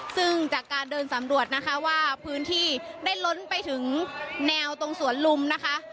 ซึ่งจากการเดินสำรวจนะคะว่าพื้นที่ได้ล้นไปถึงแนวตรงสวนลุมนะคะ